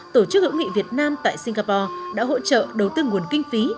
tổ chức hữu nghị việt nam tại singapore đã hỗ trợ đầu tư nguồn kinh phí